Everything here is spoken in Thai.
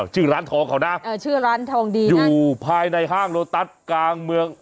ชื่อร้านทองเขานะเออชื่อร้านทองดีอยู่ภายในห้างโลตัสกลางเมือง